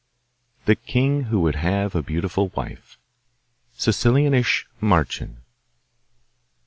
The King Who Would Have a Beautiful Wife Sicilianische Mahrchen.